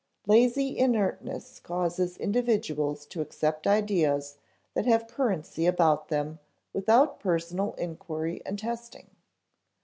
Lazy inertness causes individuals to accept ideas that have currency about them without personal inquiry and testing.